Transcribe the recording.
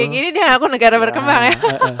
gini deh aku negara berkembang ya